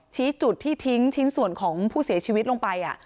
ชี้จุดที่ทิ้งชิ้นส่วนของผู้เสียชีวิตลงไป